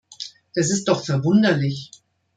Das ist doch verwunderlich!